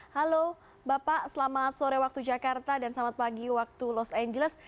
halo bapak selamat sore waktu jakarta dan selamat pagi waktu los angeles